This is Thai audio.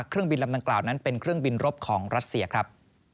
เครื่องบินลำดังกล่าวนั้นเป็นเครื่องบินรบของรัสเซียครับ